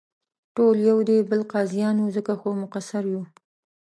ټول یو دې بل قاضیان یو، ځکه خو مقصر یو.